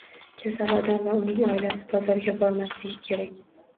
Kasal odam va uning oilasi bozorga bormasligi kerak